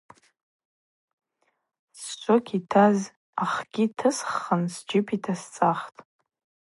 Сшвокь йтаз ахгьи тысххын сджьып йтасцӏахтӏ.